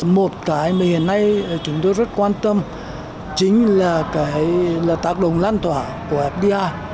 một cái mà hiện nay chúng tôi rất quan tâm chính là tác động lan tỏa của fdi